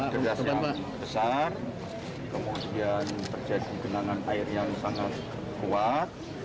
dendasnya besar kemudian terjadi genangan air yang sangat kuat